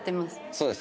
そうです。